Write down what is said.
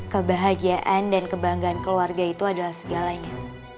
kebahagiaan dan kebanggaan keluarga itu adalah segalanya